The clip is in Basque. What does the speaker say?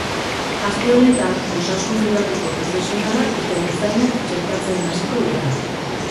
Aste honetan, osasun pribatuko profesionalak eta ertzainak txertatzen hasiko dira.